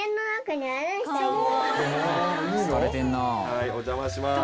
はいお邪魔します。